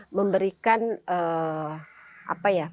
tapi mereka harus mendapatkan konflik